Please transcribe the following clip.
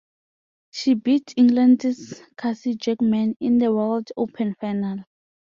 She beat England's Cassie Jackman in the World Open Final.